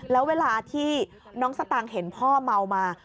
แล้วเวลาที่น้องสตางค์เห็นพ่อเมามา